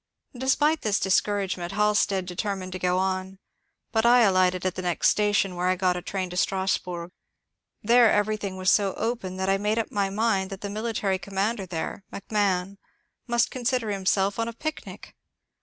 Despite this discouragement Haktead determined to go on, but I alighted at the next station, where I got a train to Strasburg. There everything was so open that I made up my mind that the military commander there, McMahon, must consider himself on a picnic.